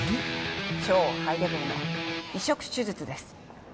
超ハイレベルの移植手術です。